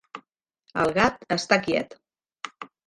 El gat està quiet.